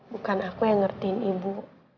bukan aku yang ngertiin ibu